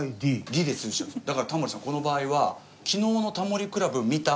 だからタモリさんこの場合は「昨日の『タモリ倶楽部』見た？」